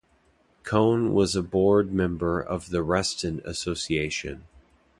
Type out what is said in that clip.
Cohn was a board member of the Reston Association.